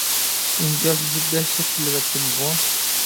ئىنكاس يېزىپ دەھشەت تىللىۋەتتىمغۇ!